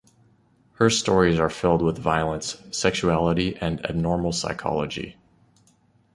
Her stories are filled with violence, sexuality and abnormal psychology.